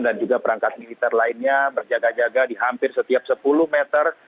dan juga perangkat militer lainnya berjaga jaga di hampir setiap sepuluh meter